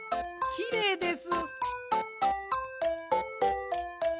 きれいです。